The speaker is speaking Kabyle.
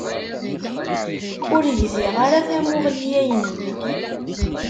Ur gziɣ ara tamuɣli-ya-inem.